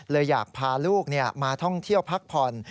เลยอยากพาลูกมาท่องเที่ยวพักผ่อน